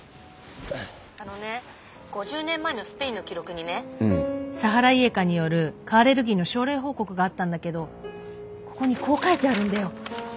あのね５０年前のスペインの記録にねサハライエカによる蚊アレルギーの症例報告があったんだけどここにこう書いてあるんだよ。